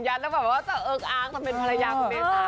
อ่อนหยัดแล้วจะเออ๊คอ้างเป็นภรรยาคุณเบสสา